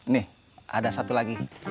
nih ada satu lagi